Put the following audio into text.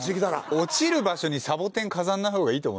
落ちる場所にサボテン飾んない方がいいと思いますよ。